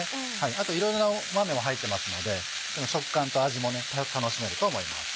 あといろいろな豆も入ってますので食感と味も楽しめると思います。